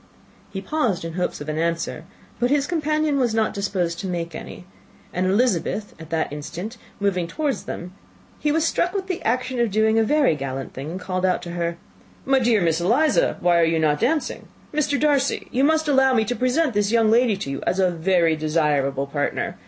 He paused in hopes of an answer: but his companion was not disposed to make any; and Elizabeth at that instant moving towards them, he was struck with the notion of doing a very gallant thing, and called out to her, "My dear Miss Eliza, why are not you dancing? Mr. Darcy, you must allow me to present this young lady to you as a very desirable partner.